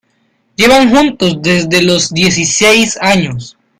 Llevan juntos desde los dieciséis años.